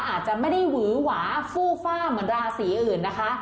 อาจจะไม่ได้หวือหวาฟู่ฟ่าเหมือนราศีอื่นนะคะ